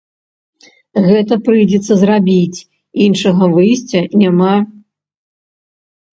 Гэта прыйдзецца зрабіць, іншага выйсця няма.